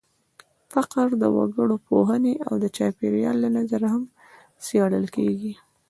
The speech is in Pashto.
فقر د وګړپوهنې او د چاپېریال له نظره هم څېړل کېږي.